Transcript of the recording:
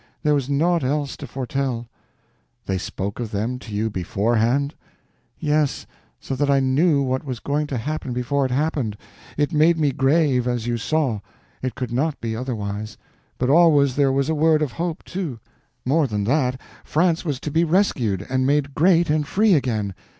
There was naught else to foretell." "They spoke of them to you beforehand?" "Yes. So that I knew what was going to happen before it happened. It made me grave—as you saw. It could not be otherwise. But always there was a word of hope, too. More than that: France was to be rescued, and made great and free again.